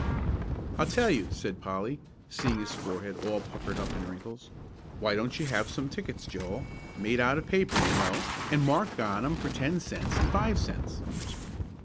"I tell you," said Polly, seeing his forehead all puckered up in wrinkles; "why don't you have some tickets, Joel, made out of paper, you know, and marked on 'em for ten cents and five cents?"